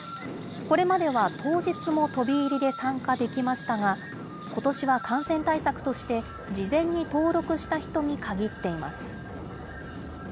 これまでは当日も飛び入りで参加できましたが、ことしは感染対策として、事前に登録した人に限っています。